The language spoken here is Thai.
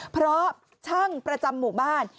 เพราะช่างประจำหมู่บ้าน